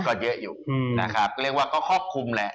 ก็เยอะอยู่นะครับเรียกว่าก็ครอบคลุมแหละ